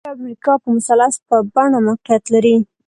جنوبي امریکا په مثلث په بڼه موقعیت لري.